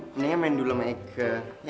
mendingan main dulu sama mega